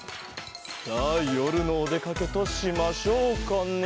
さあよるのおでかけとしましょうかね。